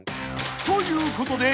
［ということで］